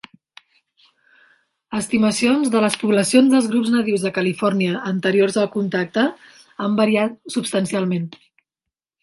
Estimacions de les poblacions dels grups nadius de Califòrnia anteriors al contacte han variat substancialment.